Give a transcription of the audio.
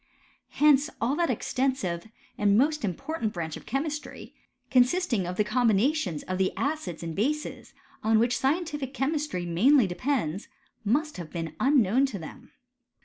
Hence all that extensive and most important branch of chemistry, consisting of the com binations of the acids and bases, on which scientific chemistry mainly depends, must have been unknown to them.